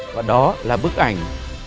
và đó là bức ảnh